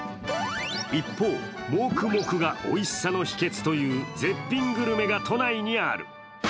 一方、モクモクがおいしさの秘けつという絶品グルメが都内にある。